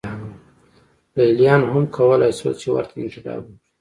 لېلیانو هم کولای شول چې ورته انقلاب وکړي.